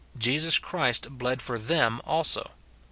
Jesus Christ bled for them also.